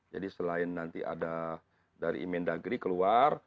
jadi selain nanti ada dari mendagri keluar